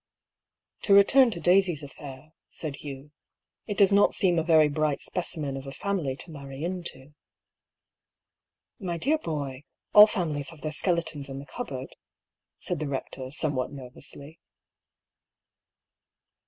" To return to Daisy's affair," said Hugh. " It does, not seem a very bright specimen of a family to marry into." ^' My dear boy, all families have their skeletons in the cupboai'd," said the rector, somewhat nervously.